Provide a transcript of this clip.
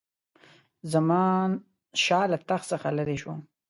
زمانشاه له تخت څخه لیري شو.